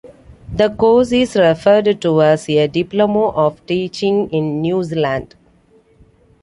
The course is referred to as a Diploma of Teaching in New Zealand.